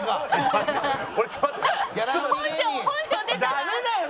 ダメだよ！